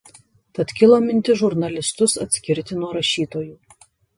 Tad kilo mintis žurnalistus atskirti nuo rašytojų.